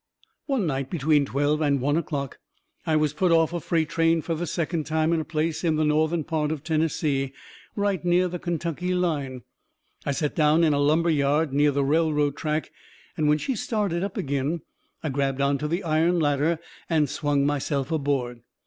One night, between twelve and one o'clock, I was put off of a freight train fur the second time in a place in the northern part of Tennessee, right near the Kentuckey line. I set down in a lumber yard near the railroad track, and when she started up agin I grabbed onto the iron ladder and swung myself aboard.